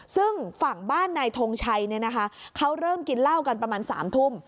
ซึ่งฝั่งบ้านนายทงชัยเขาเริ่มกินเหล้ากันประมาณ๓ทุ่ม